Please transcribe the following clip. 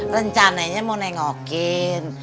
rencananya mau nengokin